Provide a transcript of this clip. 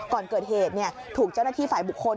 ก่อนเกิดเหตุถูกเจ้าหน้าที่ฝ่ายบุคคล